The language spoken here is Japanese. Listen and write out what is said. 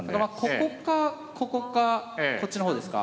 ここかここかこっちの方ですか。